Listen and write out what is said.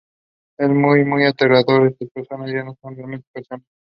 It was probably around this time that Egnell Creek and Mount Egnell were named.